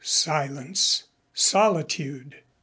Silence. Solitude.